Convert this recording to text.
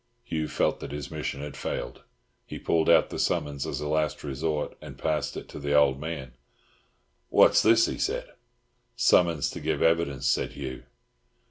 Hugh felt that his mission had failed. He pulled out the summons as a last resource, and passed it to the old man. "What's this?" he said. "Summons to give evidence," said Hugh.